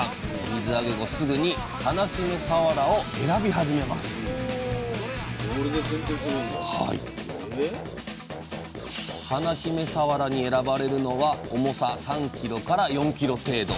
水あげ後すぐに華姫さわらを選び始めます華姫さわらに選ばれるのは重さ３ｋｇ４ｋｇ程度。